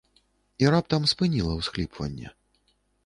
І раптам спыніла ўсхліпванне.